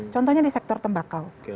contohnya di sektor tembakau